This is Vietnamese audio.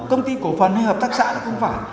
công ty cổ phần hay hợp tác xã là không phải